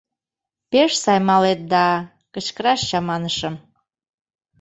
— Пеш сай малет да, кычкыраш чаманышым.